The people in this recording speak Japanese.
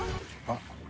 あっ！